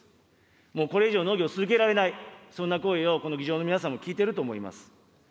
もうこれ以上農業を続けられない、そんな声をこの議場の皆さんも聞いていると思います。